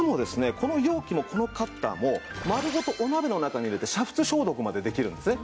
この容器もこのカッターも丸ごとお鍋の中に入れて煮沸消毒までできるんですね。